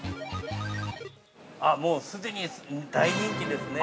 ◆もう既に大人気ですね。